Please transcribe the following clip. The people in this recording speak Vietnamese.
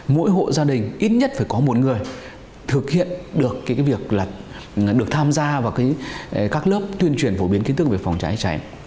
mỗi hộ gia đình ít nhất phải có một người thực hiện được cái việc là được tham gia vào các lớp tuyên truyền phổ biến kiến thức về phòng cháy chữa cháy